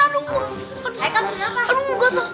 hai kan kenapa